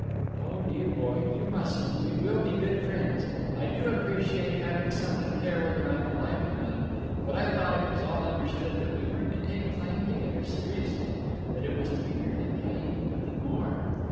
"Oh, dear boy, you mustn't! We will be good friends. I do appreciate having some one care whether I'm alive or not. But I thought it was all understood that we weren't to take playing together seriously; that it was to be merely playing—nothing more."